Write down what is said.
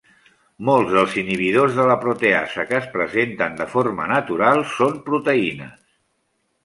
Molts dels inhibidors de la proteasa que es presenten de forma natural són proteïnes.